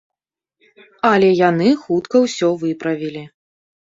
Але яны хутка ўсё выправілі.